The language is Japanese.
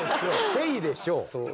「セイでしょう！」。